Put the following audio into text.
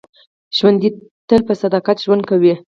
ژوندي تل په صداقت ژوند کوي